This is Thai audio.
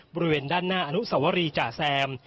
บริเวณด้านหน้าอนุสวรีจ่าแซม